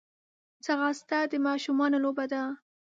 ځغاسته د ماشومانو لوبه ده